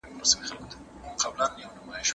استاد له شاګردانو نوې پوښتنې وکړې.